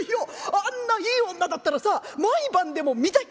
あんないい女だったらさ毎晩でも見たい」。